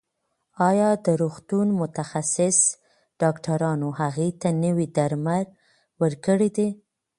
ایا د روغتون متخصص ډاکټرانو هغې ته نوي درمل ورکړي دي؟